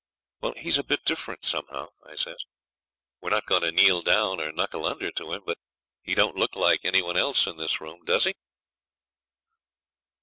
'He's a bit different, somehow,' I says. 'We're not goin' to kneel down or knuckle under to him, but he don't look like any one else in this room, does he?'